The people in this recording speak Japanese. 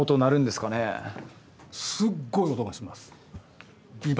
すっごい音がします。